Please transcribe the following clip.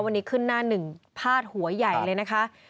วันนี้ขึ้นหน้าหนึ่งพาดหัวใหญ่เลยนะคะ